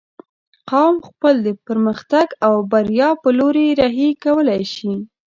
خپل قوم د پرمختګ او بريا په لوري رهي کولی شې